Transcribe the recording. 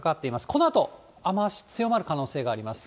このあと雨足強まる可能性があります。